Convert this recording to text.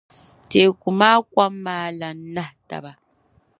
teeku maa kom maa lan nahi taba.